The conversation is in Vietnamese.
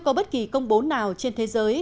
có bất kỳ công bố nào trên thế giới